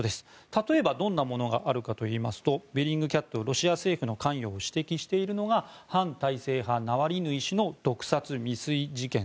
例えばどんなものがあるかといいますとベリングキャットロシア政府の関与を指摘しているのが反体制派、ナワリヌイ氏の毒殺未遂事件